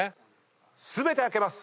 全て開けます。